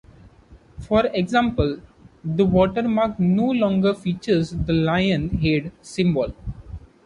For example, the watermark no longer features the lion head symbol.